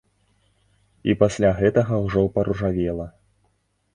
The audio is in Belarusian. І пасля гэтага ўжо паружавела.